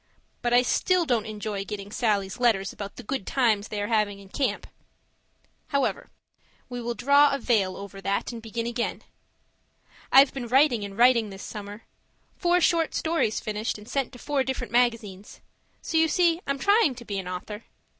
But I still don't enjoy getting Sallie's letters about the good times they are having in camp! However we will draw a veil over that and begin again. I've been writing and writing this summer; four short stories finished and sent to four different magazines. So you see I'm trying to be an author.